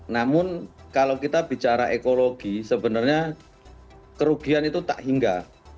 namun kalau kita bicara ekologi sebenarnya kerugian itu tak hingga